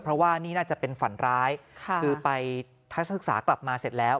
เพราะว่านี่น่าจะเป็นฝันร้ายคือไปทัศนศึกษากลับมาเสร็จแล้ว